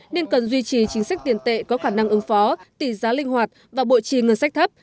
nên cần duy trì chính sách tiền tệ có khả năng ứng phó tỷ giá linh hoạt và bộ trì ngân sách thấp